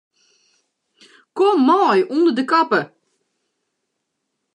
Kom mei ûnder de kappe.